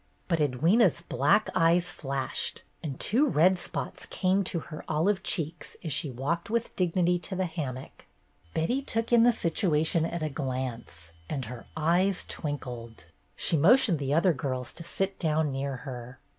But Edwyna's black eyes flashed, and two red spots came to her olive cheeks as she walked with dignity to the hammock. Betty took in the situation at a glance, and her eyes twinkled. She motioned the other children to sit down near her.